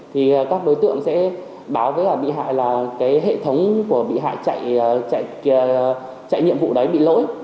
thì các đối tượng sẽ báo với bị hại là cái hệ thống của bị hại chạy nhiệm vụ đấy bị lỗi